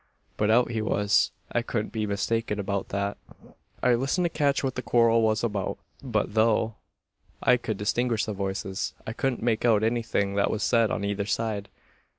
But out he was. I couldn't be mistaken about that. "I listened to catch what the quarrel was about; but though I could distinguish the voices, I couldn't make out anything that was said on either side.